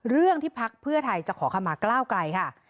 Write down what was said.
เรื่องที่พักเพื่อไทยจะขอคำมากล้าวไกลค่ะ